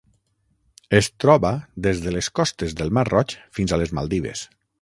Es troba des de les costes del Mar Roig fins a les Maldives.